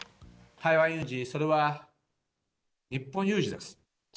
台湾有事、それは日本有事です。